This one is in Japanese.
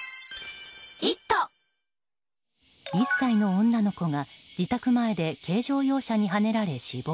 １歳の女の子が自宅前で軽乗用車にはねられ死亡。